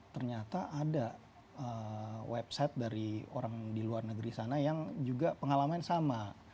ternyata ada website dari orang di luar negeri sana yang juga pengalaman sama